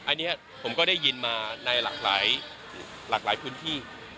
อันนี้ผมก็ได้ยินมาในหลากหลายพื้นที่